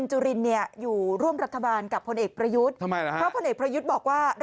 เหมาะแล้ว